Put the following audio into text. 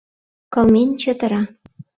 Кылмен чытыра.